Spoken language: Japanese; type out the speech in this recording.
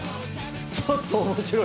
ちょっと面白い。